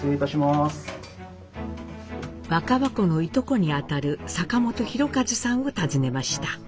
若葉子のいとこにあたる坂本紘一さんを訪ねました。